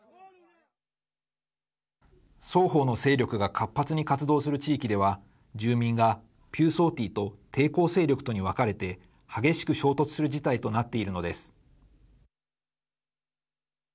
双方の勢力が活発に活動する地域では住民がピューソーティーと抵抗勢力とに分かれて激しく衝突する事態となっているのです。